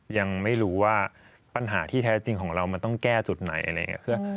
ยังไม่รู้ว่าปัญหาที่แท้จริงของเรามันต้องแก้จุดไหนอะไรอย่างนี้